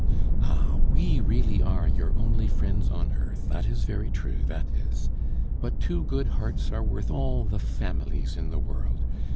"Ah! we really are your only friends on earth, that is very true, that is. But two good hearts are worth all the families in the world.